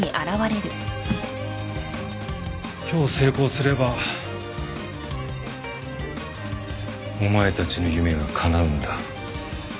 今日成功すればお前たちの夢がかなうんだ。